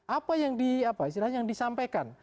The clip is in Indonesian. apa yang disampaikan